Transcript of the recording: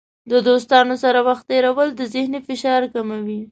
د دوستانو سره وخت تیرول د ذهني فشار کموي.